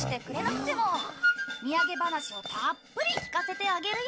みやげ話をたっぷり聞かせてあげるよ。